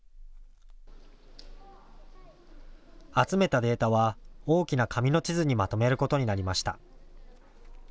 集めたデータは大きな紙の地図にまとめることになりました。